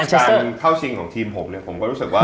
การเข้าชิงของทีมผมเนี่ยผมก็รู้สึกว่า